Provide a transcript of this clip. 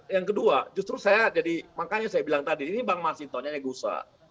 yang kedua justru saya jadi makanya saya bilang tadi ini bang mas hinton yangnya gusar